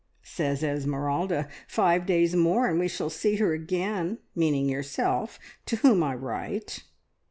Says Esmeralda, `Five days more, and we shall see her again,' meaning yourself, to whom I write.